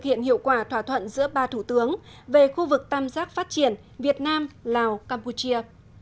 thực hiện hiệu quả thỏa thuận giữa ba thủ tướng về khu vực tam giác phát triển việt nam lào campuchia